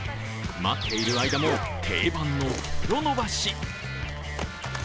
待っている間も、定番の袋伸ばし。